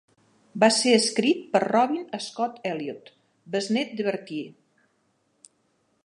Va ser escrit per Robin Scott-Elliot, besnet de Bertie.